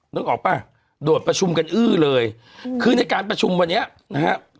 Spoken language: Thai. นึกออกป่ะโดดประชุมกันอื้อเลยคือในการประชุมวันนี้นะฮะ